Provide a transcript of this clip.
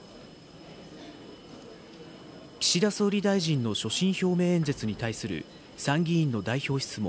岸田総理大臣の所信表明演説に対する参議院の代表質問